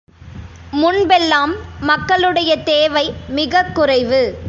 முன்பெல்லாம் மக்களுடைய தேவை மிகக் குறைவு.